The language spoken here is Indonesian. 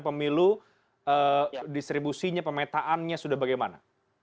pemilu distribusinya pemetaannya sudah bagaimana